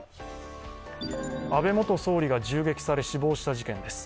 安倍元総理が銃撃され、死亡した事件です。